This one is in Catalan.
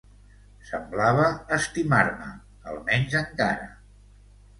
Semblava estimar-me, almenys encara.